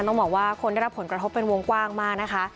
ต้องบอกว่าคนได้รับผลกระทบเป็นวงกว้างมากนะคะ